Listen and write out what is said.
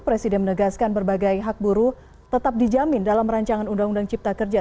presiden menegaskan berbagai hak buruh tetap dijamin dalam rancangan undang undang cipta kerja